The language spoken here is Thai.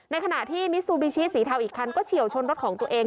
ขณะที่มิซูบิชิสีเทาอีกคันก็เฉียวชนรถของตัวเอง